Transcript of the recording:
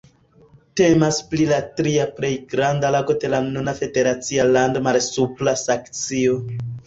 Temas pri la tria plej granda lago de la nuna federacia lando Malsupra Saksio.